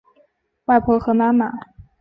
外婆和妈妈